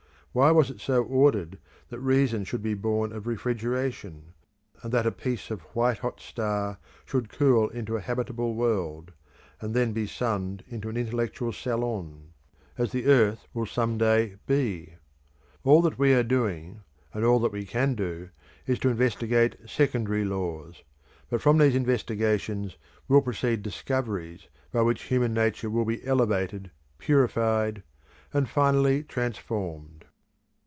Why was it so ordered that reason should be born of refrigeration, and that a piece of white hot star should cool into a habitable world, and then be sunned into an intellectual salon, as the earth will some day be? All that we are doing, and all that we can do, is to investigate secondary laws; but from these investigations will proceed discoveries by which human nature will be elevated, purified, and finally transformed.